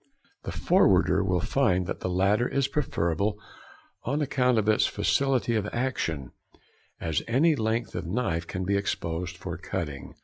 The forwarder will find that the latter is preferable, on account of its facility of action, as any length of knife can be exposed for cutting.